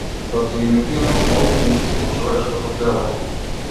Протеините имаат многу функции во човечкото тело.